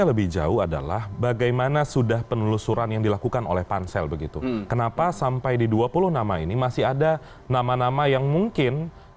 lebih jauh adalah bagaimana sudah penelusuran yang dilakukan oleh pansel begitu kenapa sampai di dua puluh nama ini masih ada nama nama yang mungkin